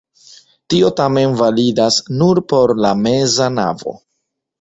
Tio tamen validas nur por la meza navo.